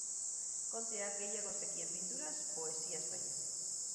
Konteak gehiago zekien pinturaz, poesiaz baino.